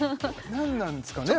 何なんですかね